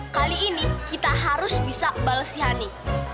kali ini kita harus bisa bales si hani